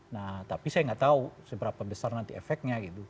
nah tapi saya nggak tahu seberapa besar nanti efeknya gitu